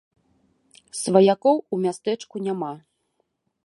Сваякоў у мястэчку няма.